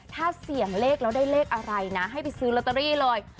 ถ้าเสี่ยงเลขแล้วได้เลขอะไรนะให้ไปซื้อลอตเตอรี่เลย